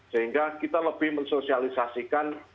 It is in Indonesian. sehingga kita lebih mensosialisasikan